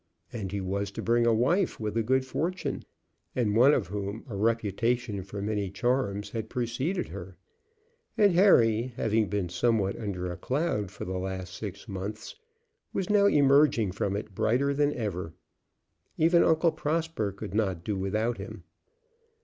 And he was to bring a wife, with a good fortune, and one of whom a reputation for many charms had preceded her. And Harry, having been somewhat under a cloud for the last six months, was now emerging from it brighter than ever. Even Uncle Prosper could not do without him.